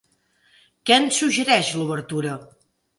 Què ens suggereix l'obertura?